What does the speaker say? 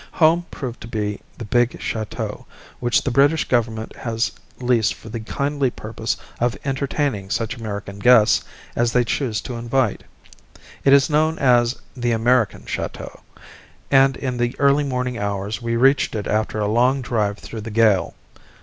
"Home" proved to be the big chateau which the British Government has leased for the kindly purpose of entertaining such American guests as they choose to invite. It is known as the "American Chateau," and in the early morning hours we reached it after a long drive through the gale.